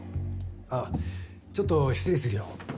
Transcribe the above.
ああちょっと失礼するよ。